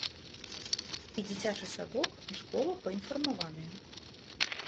І дзіцячы садок, і школа паінфармаваныя.